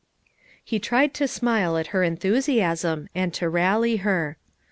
He tried to smile at her enthusiasm, and to rally her.